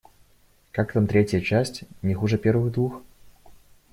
Как там третья часть, не хуже первых двух?